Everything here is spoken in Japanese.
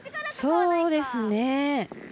そうですね。